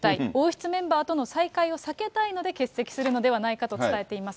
王室メンバーとの再会を避けたいので欠席するのではないかと伝えています。